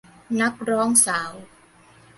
นักร้องสาว